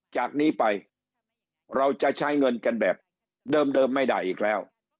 จากนี้ไปเราจะใช้เงินกันแบบเดิมไม่ได้อีกแล้ว